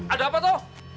ada apa tuh